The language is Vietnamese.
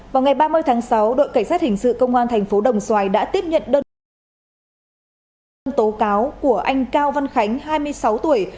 vào ngày ba mươi tháng sáu đội cảnh sát hình sự công an thành phố đồng xoài đã tiếp nhận đơn kháng cáo của anh cao văn khánh hai mươi sáu tuổi